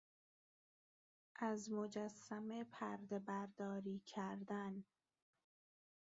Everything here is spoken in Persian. از مجسمه پردهبرداری کردن